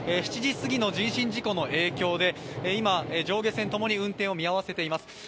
７時過ぎの人身事故の影響で今、上下線ともに運転を見合わせています。